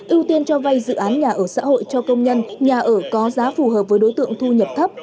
ưu tiên cho vay dự án nhà ở xã hội cho công nhân nhà ở có giá phù hợp với đối tượng thu nhập thấp